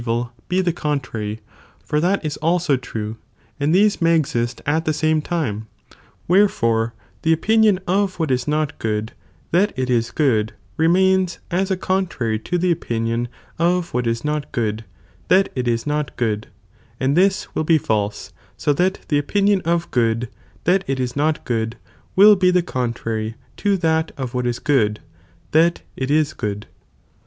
VTil, be (the contnuy), for that is also true, and these may exist at the same time, whei'elbre {iho opinion) of what is not good, that it is gotxl, remains as a contrary to the opinion of what is nut good, that it is not good, and this will be lalse, so that ili« opinion of good that it is not good, trill be the contraiy to iliat of what is good, that it is good.